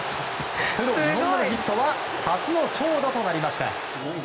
プロ２本目のヒットは初の長打となりました。